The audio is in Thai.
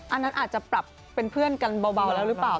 อันนั้นอาจจะปรับเป็นเพื่อนกันเบาแล้วหรือเปล่า